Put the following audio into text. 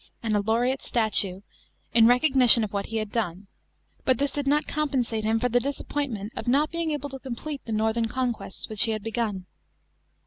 CHAP, xxn recognition of what he had done, but this did not compensate him for the disappointment of not being able to complete the northern conquests which he had begun.